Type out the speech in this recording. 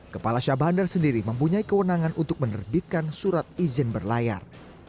kepala syah bandar sendiri mempunyai kewenangan untuk menerbitkan surat izin berlayar